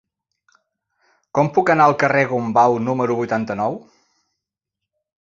Com puc anar al carrer de Gombau número vuitanta-nou?